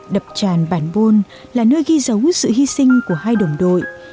đập tràn bản bôn là nơi ghi dấu sự hy sinh của hai đồng đội